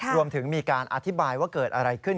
รวมถึงมีการอธิบายว่าเกิดอะไรขึ้น